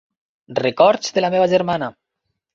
Records de la meva germana.